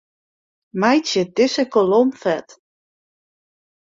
Meitsje dizze kolom fet.